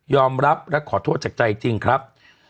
รับและขอโทษจากใจจริงครับ